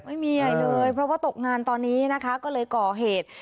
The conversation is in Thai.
ไม่มีใหญ่เลยเพราะว่าตกงานตอนนี้นะคะก็เลยก่อเหตุ